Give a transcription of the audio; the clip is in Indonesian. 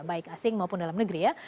baik asing maupun dalam negeri ya